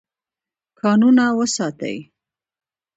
کانونه وساتئ.